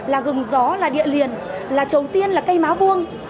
là gừng gió là địa liền là trầu tiên là cây máu vuông